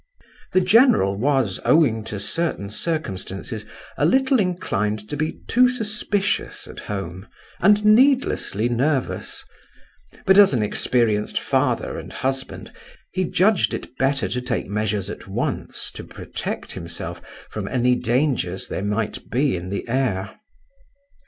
The general was, owing to certain circumstances, a little inclined to be too suspicious at home, and needlessly nervous; but, as an experienced father and husband, he judged it better to take measures at once to protect himself from any dangers there might be in the air.